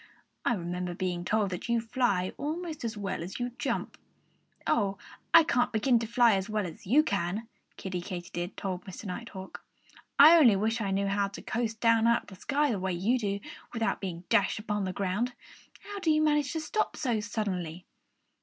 I remember being told that you fly almost as well as you jump." "Oh, I can't begin to fly as well as you can," Kiddie Katydid told Mr. Nighthawk. "I only wish I knew how to coast down out of the sky the way you do, without being dashed upon the ground.... How do you manage to stop so suddenly?"